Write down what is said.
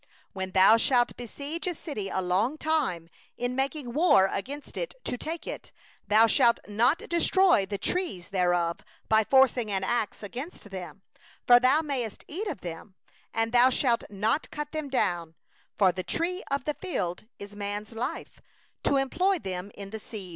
19When thou shalt besiege a city a long time, in making war against it to take it, thou shalt not destroy the trees thereof by wielding an axe against them; for thou mayest eat of them, but thou shalt not cut them down; for is the tree of the field man, that it should be besieged of thee?